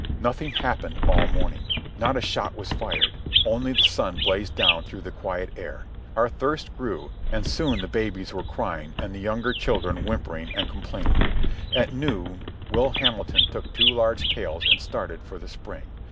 Nothing happened all morning. Not a shot was fired. Only the sun blazed down through the quiet air. Our thirst grew, and soon the babies were crying and the younger children whimpering and complaining. At noon Will Hamilton took two large pails and started for the spring.